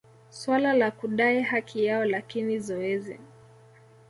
suala la kudai haki yao lakini zoezi